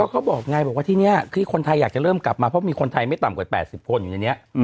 เขาบอกไงบอกว่าที่นี่ที่คนไทยอยากจะเริ่มกลับมาเพราะมีคนไทยไม่ต่ำกว่า๘๐คนอยู่ในนี้